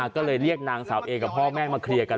ก็เลยเรียกนางสาวเอกับพ่อแม่มาเคลียร์กัน